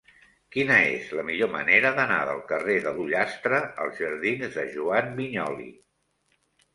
Quina és la millor manera d'anar del carrer de l'Ullastre als jardins de Joan Vinyoli?